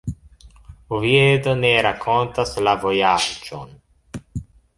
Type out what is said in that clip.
Oviedo ne rakontas la vojaĝon.